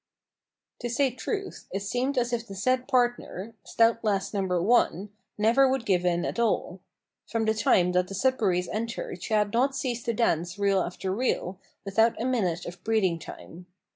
To say truth, it seemed as if the said partner, (stout lass Number 1), never would give in at all. From the time that the Sudberrys entered she had not ceased to dance reel after reel, without a minute of breathing time.